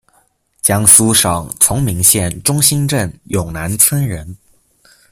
江苏省崇明县中兴镇永南村人。